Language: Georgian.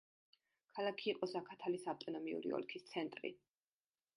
ქალაქი იყო ზაქათალის ავტონომიური ოლქის ცენტრი.